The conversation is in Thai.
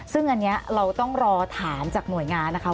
ซึ่งอันนี้เราต้องรอถามจากหน่วยงานนะคะ